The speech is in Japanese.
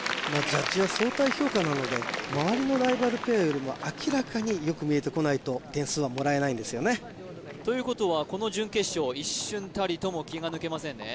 ジャッジは相対評価なので周りのライバルペアよりも明らかによく見えてこないと点数はもらえないんですよねということはこの準決勝一瞬たりとも気が抜けませんね